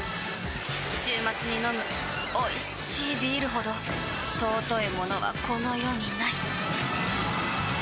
週末に飲むおいしいビールほど尊いものはこの世にない！